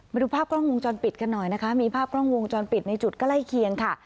มาดูภาพกล้องวงจรปิดกันหน่อยนะคะมีภาพกล้องวงจรปิดในจุดใกล้เคียงค่ะ